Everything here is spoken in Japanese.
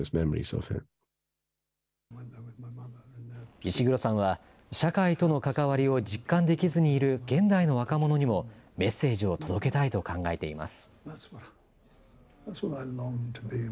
イシグロさんは、社会との関わりを実感できずにいる現代の若者にも、メッセージを届けたいと考えています。